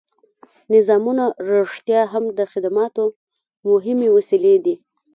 نظامونه رښتیا هم د خدماتو مهمې وسیلې دي.